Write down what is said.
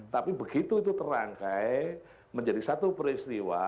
tapi begitu itu terangkai menjadi satu peristiwa